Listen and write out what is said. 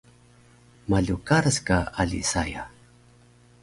Malu karac ka ali saya